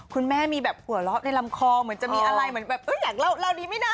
คุณแม่มีแบบหัวเราะในลำคอเหมือนจะมีอะไรเหมือนแบบอยากเล่าดีไหมนะ